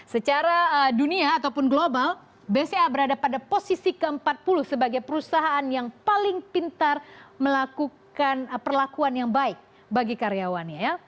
secara dunia ataupun global bca berada pada posisi ke empat puluh sebagai perusahaan yang paling pintar melakukan perlakuan yang baik bagi karyawannya ya